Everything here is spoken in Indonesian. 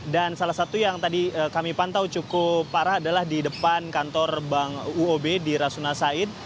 dan salah satu yang tadi kami pantau cukup parah adalah di depan kantor bank uob di rasuna said